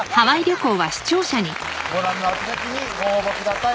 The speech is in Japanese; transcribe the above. ご覧の宛先にご応募ください